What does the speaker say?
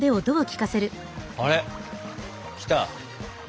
あれきた！